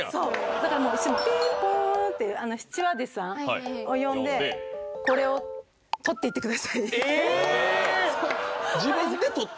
だからもう、いつもピンポーンって、スチュワーデスさんを呼んで、これを取っていってくださいって。